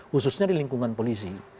khususnya di lingkungan polisi